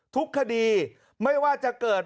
ทุกคดีไม่ว่าจะเกิด